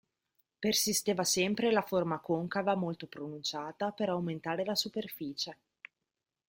Persisteva sempre la forma concava molto pronunciata per aumentare la superficie.